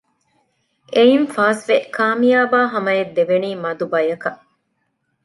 އެއިން ފާސްވެ ކާމިޔާބާ ހަމައަށް ދެވެނީ މަދުބަޔަކަށް